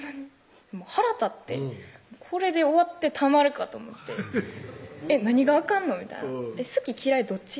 腹立ってこれで終わってたまるかと思って「何があかんの？」みたいな「好き・嫌いどっち？」